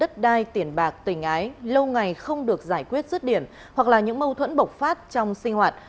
đất đai tiền bạc tình ái lâu ngày không được giải quyết rứt điểm hoặc là những mâu thuẫn bộc phát trong sinh hoạt